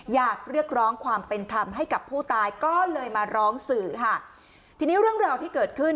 อยากเรียกร้องความเป็นธรรมให้กับผู้ตายก็เลยมาร้องสื่อค่ะทีนี้เรื่องราวที่เกิดขึ้น